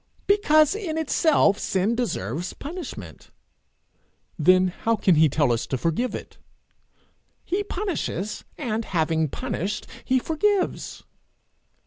'Because in itself sin deserves punishment.' 'Then how can he tell us to forgive it?' 'He punishes, and having punished he forgives?'